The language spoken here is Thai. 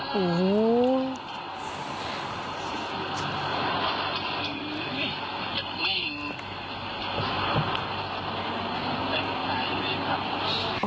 โห